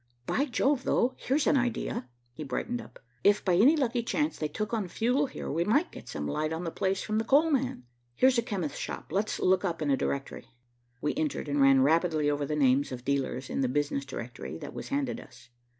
By Jove, though, here's an idea." He brightened up. "If, by any lucky chance, they took on fuel here, we might get some light on the place from the coal man. Here's a chemist's shop, let's look up a directory." We entered, and ran rapidly over the names of dealers in the business directory that was handed us.